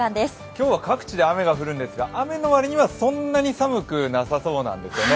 今日は各地で雨が降るんですが、雨の割にそんなに寒くはなさそうなんですね。